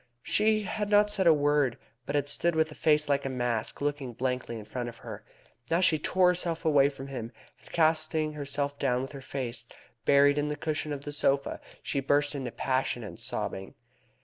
She had not said a word, but had stood with a face like a mask looking blankly in front of her. Now she tore herself away from him, and, casting herself down with her face buried in the cushion of the sofa, she burst into a passion of sobbing.